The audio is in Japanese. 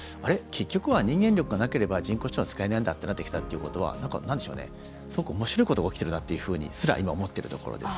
結局は人間力がなければ人工知能が使えないんだってなってきたっていうことはなんか、なんでしょうねすごくおもしろいことが起きてるなっていうふうにすら今、思っているところです。